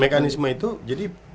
mekanisme itu jadi